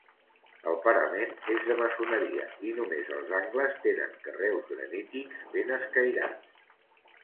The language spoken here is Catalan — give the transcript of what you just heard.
El parament és de maçoneria i només els angles tenen carreus granítics ben escairats.